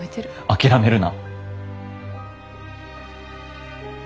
諦めるな。